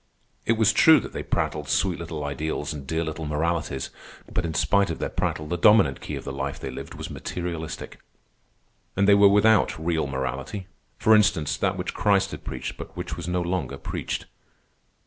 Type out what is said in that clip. It was true that they prattled sweet little ideals and dear little moralities, but in spite of their prattle the dominant key of the life they lived was materialistic. And they were without real morality—for instance, that which Christ had preached but which was no longer preached.